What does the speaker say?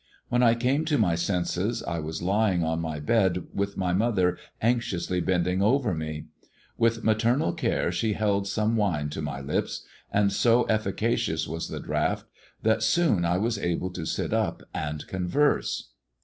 When I came to my senses I was lying on my bed with my mother anxiously bending over me. Witli ' maternal care she held some wine to my lips, and so efficacious was the draught that soon I was able to sit up and converse.